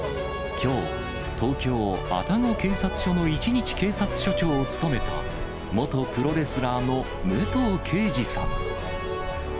きょう、東京・愛宕警察署の一日警察署長を務めた、元プロレスラーの武藤敬司さん。